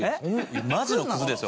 マジのクズですよ